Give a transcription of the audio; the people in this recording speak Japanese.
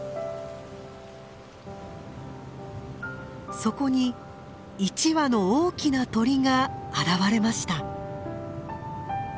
そこに一羽の大きな鳥が現れました。